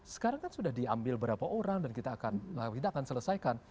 sekarang kan sudah diambil berapa orang dan kita akan selesaikan